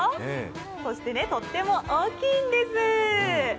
そしてとっても大きいんです。